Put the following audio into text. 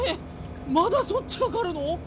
まだそっちかかるの？